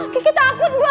kiki takut banget